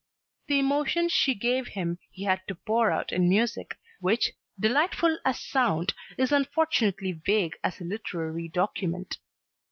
The emotions she gave him he had to pour out in music, which, delightful as sound, is unfortunately vague as a literary "document."